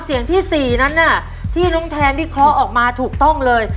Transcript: เสียงที่สี่นั้นน่ะที่น้องแทนที่เคาะออกมาถูกต้องเลย